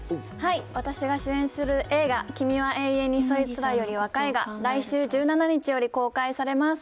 私が主演する映画、君は永遠にそいつらより若いが、来週１７日より公開されます。